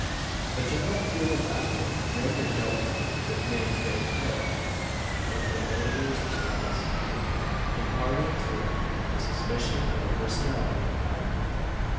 A general peal of laughter rendered doubtful the naivete of the major's response imparting to it the suspicion of a personality not intended.